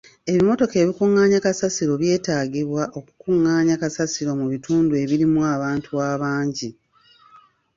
Ebimmotoka ebikungaanya kasasiro by'etaagibwa okukungaanya kasasiro mu bitundu ebirimu abantu abangi.